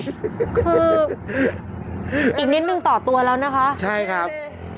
คืออีกนิดนึงต่อตัวแล้วนะคะใช่ครับ